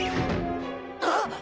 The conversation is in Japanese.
あっ！